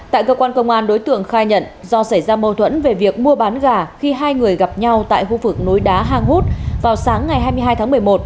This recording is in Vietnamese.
tại cơ quan công an đối tượng khai nhận do xảy ra mâu thuẫn về việc mua bán gà khi hai người gặp nhau tại khu vực núi đá hang hút vào sáng ngày hai mươi hai tháng một mươi một